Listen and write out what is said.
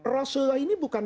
rasulullah ini bukan